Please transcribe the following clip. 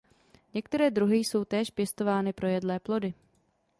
Některé druhy jsou též pěstovány pro jedlé plody.